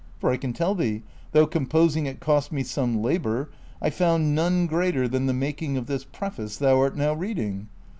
For I can tell thee, though composing it cost me some labor, I found none greater than the making of this Preface thou art now reading.